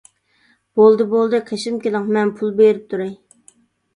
-بولدى بولدى قېشىمغا كېلىڭ، مەن پۇل بېرىپ تۇراي.